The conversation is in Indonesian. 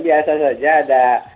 biasanya saja ada